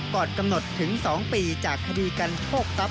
ก่อนกำหนดถึง๒ปีจากคดีการโทษกรับ